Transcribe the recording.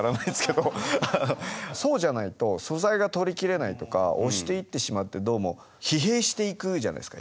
そうじゃないと素材が撮り切れないとか押していってしまってどうも疲弊していくじゃないですか。